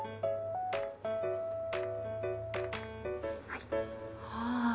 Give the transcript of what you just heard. はい。